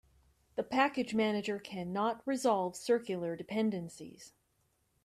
The package manager cannot resolve circular dependencies.